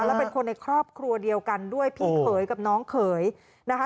แล้วเป็นคนในครอบครัวเดียวกันด้วยพี่เขยกับน้องเขยนะคะ